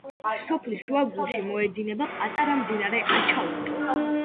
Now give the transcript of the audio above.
სოფლის შუაგულში მოედინება პატარა მდინარე აჩალუკი.